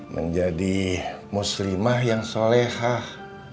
menjadi muslimah yang solehah